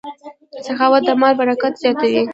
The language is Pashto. سخاوت د مال برکت زیاتوي.